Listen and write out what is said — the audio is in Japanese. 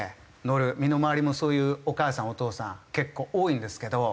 身の回りもそういうお母さんお父さん結構多いんですけど。